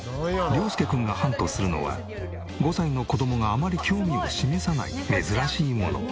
涼介君がハントするのは５歳の子供があまり興味を示さない珍しいもの。